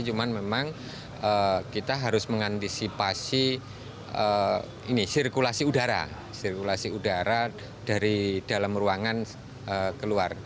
cuman memang kita harus mengantisipasi sirkulasi udara sirkulasi udara dari dalam ruangan keluar